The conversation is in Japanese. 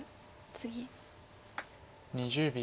２０秒。